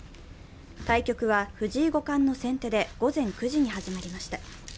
対局は、藤井五冠の先手で午前９時に始まりました。